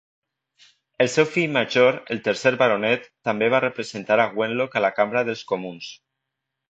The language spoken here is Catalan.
El seu fill major, el tercer baronet, també va representar a Wenlock a la Cambra dels Comuns.